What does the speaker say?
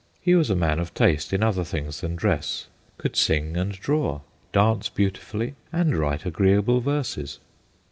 He was a man of taste in other things than dress : could sing and draw, dance beautifully, and write agreeable verses.